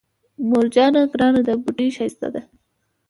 مور جانه ګرانه ده بوډۍ ښايسته ده